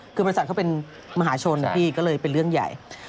คือบริษัทเขาเป็นมหาชนพี่ก็เลยเป็นเรื่องใหญ่